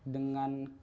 dengan kian meluas